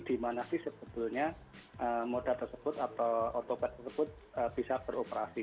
di mana sih sebetulnya moda tersebut atau otopet tersebut bisa beroperasi